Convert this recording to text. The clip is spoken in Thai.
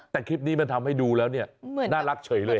แต่คลิปนี้มันทำให้ดูแล้วเนี่ยน่ารักเฉยเลย